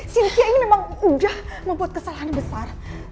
sehingga ini memang udah membuat kesalahan besar